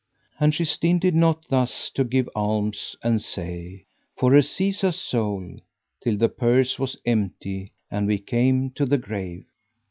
And she stinted not thus to give alms and say, "for Azizah's soul," till the purse was empty and we came to the grave.